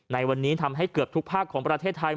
ในวันนี้ทำให้เกือบทุกภาคของประเทศไทย